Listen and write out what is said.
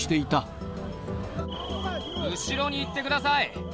後ろに行ってください。